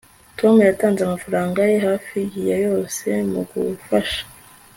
Tom yatanze amafaranga ye hafi ya yose mu gufasha